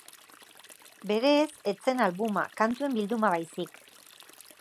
Berez ez zen albuma, kantuen bilduma baizik.